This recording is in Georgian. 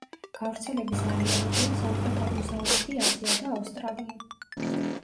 გავრცელების არეალებია სამხრეთ-აღმოსავლეთი აზია და ავსტრალია.